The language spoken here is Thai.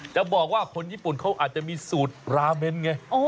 จะบอกว่าคนญี่ปุ่นเขาอาจจะมีสูตรราเมนไง